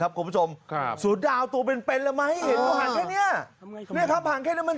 ครับคุณผู้ชมสูตรดาวตัวเป็นละมั้ยมาให้เห็น